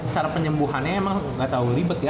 cara penyembuhannya emang ga tau ribet ya